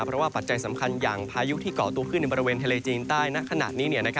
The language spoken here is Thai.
เพราะว่าปัจจัยสำคัญอย่างพายุที่เกาะตัวขึ้นในบริเวณทะเลจีนใต้ณขณะนี้